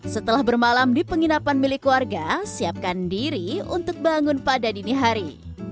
setelah bermalam di penginapan milik warga siapkan diri untuk bangun pada dini hari